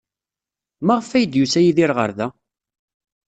Maɣef ay d-yusa Yidir ɣer da?